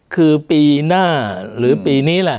คือปีหน้าหรือปีนี้แหละ